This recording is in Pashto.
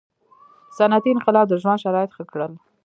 • صنعتي انقلاب د ژوند شرایط ښه کړل.